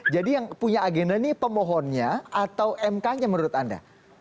jadi yang punya agenda ini pembohonnya atau mk nya menurut anda